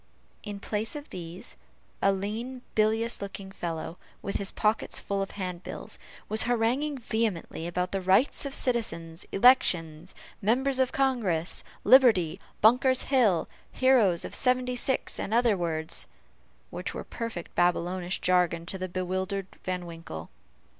In place of these, a lean, bilious looking fellow, with his pockets full of handbills, was haranguing, vehemently about rights of citizens elections members of Congress liberty Bunker's hill heroes of seventy six and other words, which were a perfect Babylonish jargon to the bewildered Van Winkle.